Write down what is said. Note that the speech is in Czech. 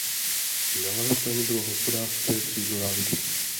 Na levé straně bylo hospodářské křídlo zámku.